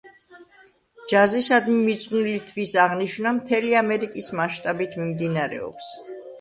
ჯაზისადმი მიძღვნილი თვის აღნიშვნა მთელი ამერიკის მაშტაბით მიმდინარეობს.